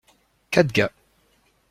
Quatre gars.